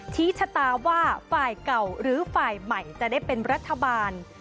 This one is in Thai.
ชี้ชะตาว่าฝ่ายเก่าหรือฝ่ายใหม่จะได้เป็นรัฐบาล